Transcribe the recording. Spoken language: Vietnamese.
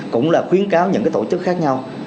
cũng là khuyến cáo những cái tổ chức khác nhau